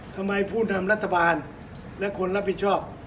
ผู้นำรัฐบาลและคนรับผิดชอบ